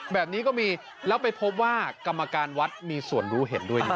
แบบนี้ก็มีแล้วไปพบว่ากรรมการวัดมีส่วนรู้เห็นด้วยนะ